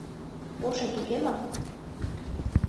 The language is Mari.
Ошет уке мо?